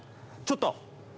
ちょっと。